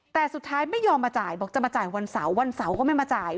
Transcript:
แต่สุดท้ายไม่ยอมมาจ่ายบอกจะมาจ่ายวันเสาร์วันเสาร์ก็ไม่มาจ่าย